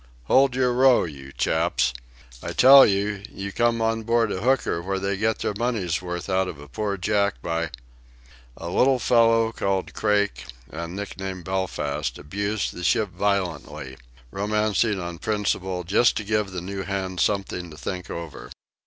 Hold your row, you chaps!... I tell you, you came on board a hooker, where they get their money's worth out of poor Jack, by !..." A little fellow, called Craik and nicknamed Belfast, abused the ship violently, romancing on principle, just to give the new hands something to think over.